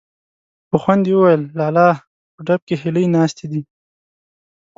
په خوند يې وويل: لالا! په ډب کې هيلۍ ناستې دي.